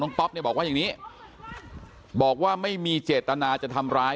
ป๊อปเนี่ยบอกว่าอย่างนี้บอกว่าไม่มีเจตนาจะทำร้าย